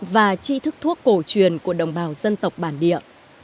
và chi thức thuốc cổ truyền của đồng bào dân tộc bản địa